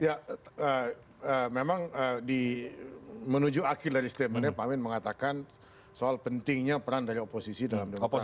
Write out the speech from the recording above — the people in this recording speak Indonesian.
ya memang menuju akhir dari statementnya pak amin mengatakan soal pentingnya peran dari oposisi dalam demokrasi